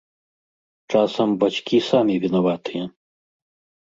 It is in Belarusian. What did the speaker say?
Часам бацькі самі вінаватыя.